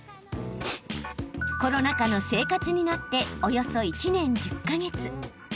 コロナ禍の生活になっておよそ１年１０か月。